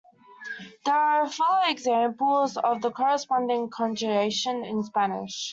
There follow examples of the corresponding conjugation in Spanish.